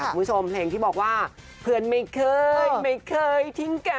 คุณผู้ชมเพลงที่บอกว่าเพื่อนไม่เคยไม่เคยทิ้งแก